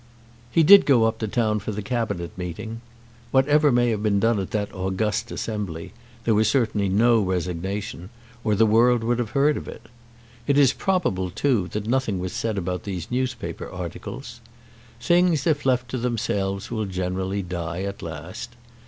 He did go up to town for the Cabinet meeting. Whatever may have been done at that august assembly there was certainly no resignation, or the world would have heard it. It is probable, too, that nothing was said about these newspaper articles. Things if left to themselves will generally die at last.